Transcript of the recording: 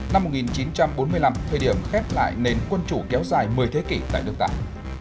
năm một nghìn chín trăm bốn mươi năm thời điểm khép lại nền quân chủ kéo dài một mươi thế kỷ tại nước ta